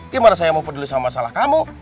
gimana saya mau peduli sama masalah kamu